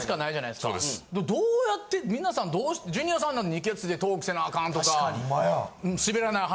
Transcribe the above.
どうやって皆さんどうジュニアさんなんて『にけつッ！！』でトークせなアカンとか『すべらない話』